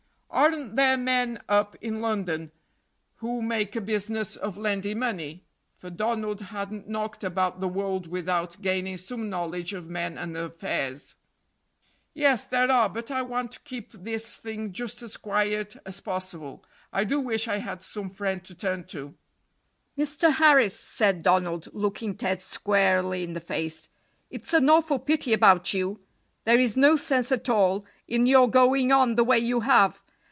"Aren't there men up in London who make a business of lending money?" for Donald hadn't knocked about the world without gaining some knowledge of men and affairs. "Yes, there are, but I want to keep this thing just as quiet as possible. I do wish I had some friend to turn to." "Mr. Harris," said Donald, looking Ted squarely in the face, "it's an awful pity about you; there is no sense at all in your going on the way you have.